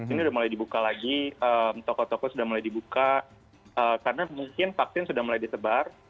ini sudah mulai dibuka lagi toko toko sudah mulai dibuka karena mungkin vaksin sudah mulai disebar